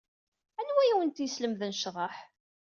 Anwa ay awent-yeslemden ccḍeḥ?